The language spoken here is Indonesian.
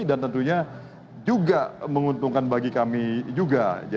dan tentunya juga menguntungkan bagi kami juga